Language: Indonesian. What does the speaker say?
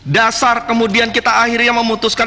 dasar kemudian kita akhirnya memutuskan